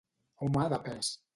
Home de pes.